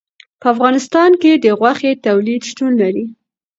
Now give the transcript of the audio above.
په افغانستان کې د غوښې تولید شتون لري.